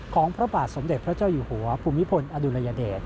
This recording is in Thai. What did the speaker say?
พระบาทสมเด็จพระเจ้าอยู่หัวภูมิพลอดุลยเดช